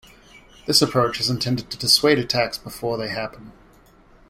This approach is intended to dissuade attacks before they happen.